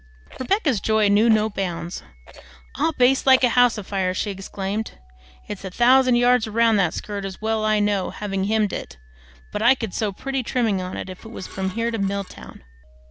Rebecca's joy knew no bounds. "I'll baste like a house afire!" she exclaimed. "It's a thousand yards round that skirt, as well I know, having hemmed it; but I could sew pretty trimming on if it was from here to Milltown.